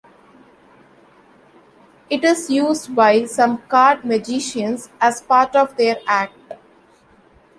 It is used by some card magicians as part of their act.